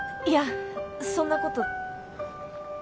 いやそんなこと。